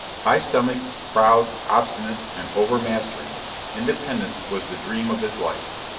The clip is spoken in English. High stomached, proud, obstinate, and over mastering, independence was the dream of his life.